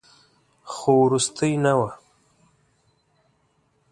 خو وروستۍ نه وه.